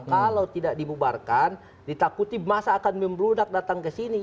kalau tidak dibubarkan ditakuti masa akan membrudak datang kesini